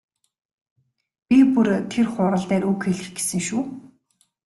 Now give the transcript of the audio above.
Би бүр тэр хурал дээр үг хэлэх гэсэн шүү.